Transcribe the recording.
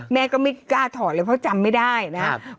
แม่ก็ไม่กล้าถอดเลยเพราะจำไม่ได้นะครับ